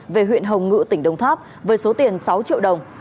về huyện hồng ngự tỉnh đông tháp với số tiền sáu triệu đồng